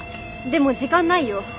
でも時間ないよ？